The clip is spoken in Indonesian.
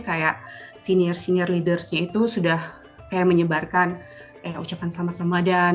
kayak senior senior leadersnya itu sudah kayak menyebarkan ucapan selamat ramadhan